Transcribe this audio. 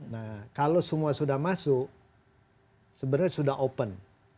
nah kalau semua sudah masuk sebenarnya sudah open